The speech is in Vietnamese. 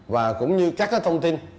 và cũng như các cái thông tin